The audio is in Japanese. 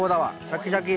シャキシャキ。